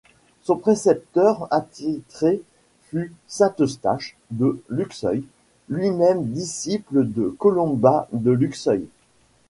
Son précepteur attitré fut saint Eustache de Luxeuil, lui-même disciple de Colomban de Luxeuil.